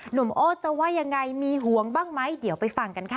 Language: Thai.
โอ๊ตจะว่ายังไงมีห่วงบ้างไหมเดี๋ยวไปฟังกันค่ะ